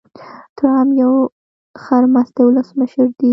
ټرمپ يو خرمستی ولسمشر دي.